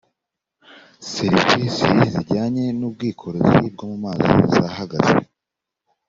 serivisi zijyanye n’ ubwikorezi bwo mu mazi zahagaze